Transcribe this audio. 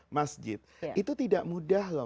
masjid itu tidak mudah loh